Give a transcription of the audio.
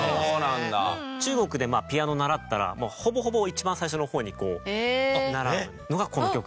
中国でピアノ習ったらほぼほぼ一番最初の方に習うのがこの曲なんです。